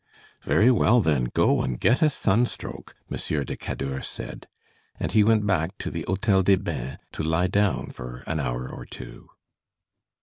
"Very well, then, go and get a sunstroke," Monsieur de Cadour said; and he went back to the Hôtel des Bains to lie down for an hour or two.